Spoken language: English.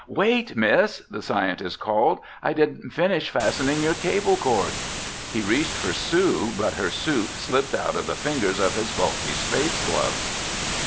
"Wait, miss!" the scientist called. "I didn't finish fastening your cable cord!" He reached for Sue but her suit slipped out of the fingers of his bulky space gloves.